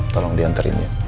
tolong dia anterin dia